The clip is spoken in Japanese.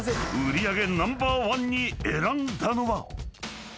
［売り上げナンバーワンに選んだのは］